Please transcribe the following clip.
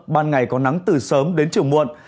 ban ngày có nắng từ sớm đến chiều muộn